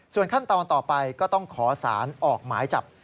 ส่วนขั้นตอนต่อไปก็ต้องขอสารออกหมายจับ